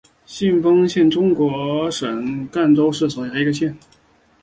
信丰县是中国江西省赣州市所辖的一个县。